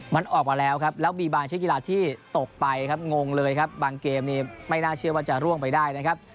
มันออกมาแล้วครับแล้วมีบางชิ้นกีฬาที่ตกไปครับงงเลยครับบางเกมนี้ไม่น่าเชื่อว่าจะร่วงไปได้นะครับ